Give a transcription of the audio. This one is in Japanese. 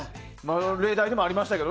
例題でもありましたが。